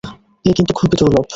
এ কিন্তু খুবই দুর্লভ।